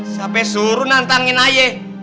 sampai suruh nantangin aja